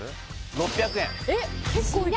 ６００円